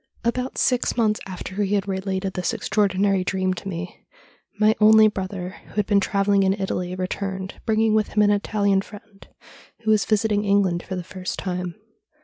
' About six months after he had related this extraordinary dream to me, my only brother, who had been travelling in Italy, returned, bringing with him an Italian friend, who was visit ing England for the first time.